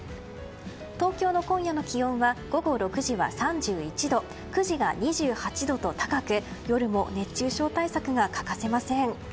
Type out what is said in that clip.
東京の今夜の気温は午後６時は３１度９時が２８度と高く夜も熱中症対策が欠かせません。